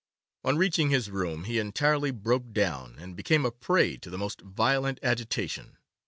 On reaching his room he entirely broke down, and became a prey to the most violent agitation.